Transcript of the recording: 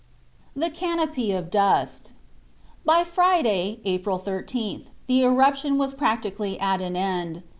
THE CANOPY OF DUST. By Friday, April 13th, the eruption was practically at an end.